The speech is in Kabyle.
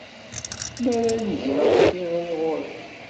Mi ara n-greɣ tiɣri ɣur-k.